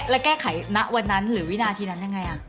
แล้วแก้ไขณวันนั้นหรือวินาทีนั้นยังไง